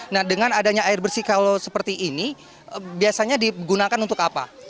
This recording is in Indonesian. nah dengan adanya air bersih kalau seperti ini biasanya digunakan untuk apa